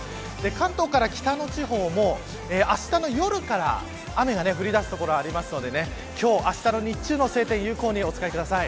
関東から北の地方もあしたの夜から雨が降りだす所がありますので今日あしたの日中の晴天を有効にお使いください。